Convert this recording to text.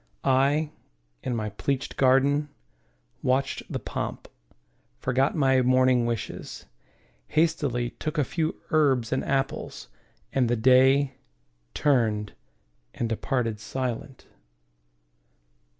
I, in my pleached garden, watched the pomp, Forgot my morning wishes, hastily Took a few herbs and apples, and the Day Turned and departed silent.